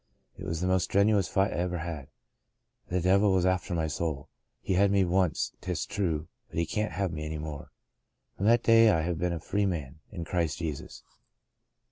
It was the most strenuous fight I ever had. The devil was after my soul. He had me once, 'tis true, but he can't have me any more. *' From that day I have been a free man in Christ Jesus.